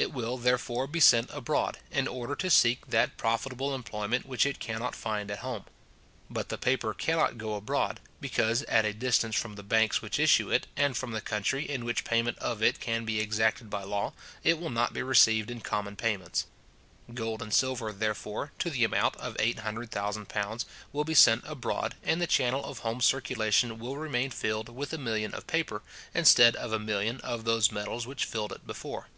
It will, therefore, be sent abroad, in order to seek that profitable employment which it cannot find at home. But the paper cannot go abroad; because at a distance from the banks which issue it, and from the country in which payment of it can be exacted by law, it will not be received in common payments. Gold and silver, therefore, to the amount of eight hundred thousand pounds, will be sent abroad, and the channel of home circulation will remain filled with a million of paper instead of a million of those metals which filled it before.